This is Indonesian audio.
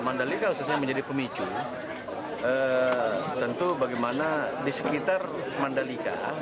mandalika khususnya menjadi pemicu tentu bagaimana di sekitar mandalika